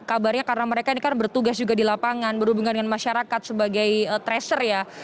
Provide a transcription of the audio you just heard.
kabarnya karena mereka ini kan bertugas juga di lapangan berhubungan dengan masyarakat sebagai tracer ya